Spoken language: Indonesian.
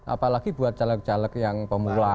apalagi buat caleg caleg yang pemula